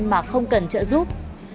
mà không cần trợ giúp